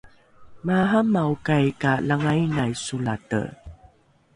maaramaokai ka langainai solate